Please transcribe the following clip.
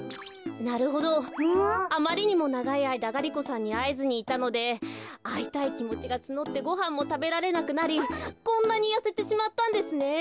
なるほどあまりにもながいあいだガリ子さんにあえずにいたのであいたいきもちがつのってごはんもたべられなくなりこんなにやせてしまったんですね。